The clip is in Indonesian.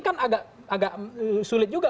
kan agak sulit juga